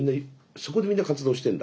そこでみんな活動してんだ。